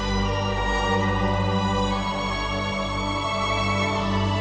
atau bisa lari ke bagian sana